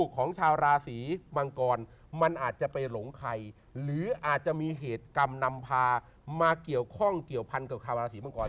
ของชาวราศีมังกรมันอาจจะไปหลงใครหรืออาจจะมีเหตุกรรมนำพามาเกี่ยวข้องเกี่ยวพันกับชาวราศีมังกร